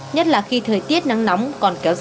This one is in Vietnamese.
nhất là khi thời tiết nắng nóng còn kéo dài